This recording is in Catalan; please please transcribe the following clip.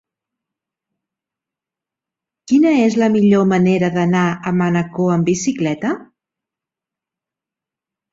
Quina és la millor manera d'anar a Manacor amb bicicleta?